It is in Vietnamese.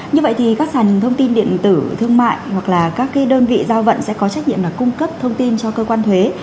như vậy thì các sản thông tin điện tử thương mại hoặc là các đơn vị giao vận sẽ có trách nhiệm là cung cấp thông tin cho cơ quan thuế